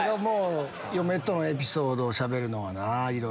嫁とのエピソードをしゃべるのはなぁいろいろ。